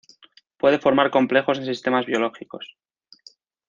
Puede formar complejos en sistemas biológicos.